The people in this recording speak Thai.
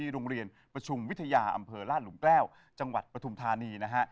โรงเรียนประชุมวิทยาอำเภอราชหลุมแก้วจังหวัดปฐุมธานีนะฮะ